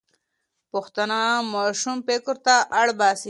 پوښتنه ماشوم فکر ته اړ باسي.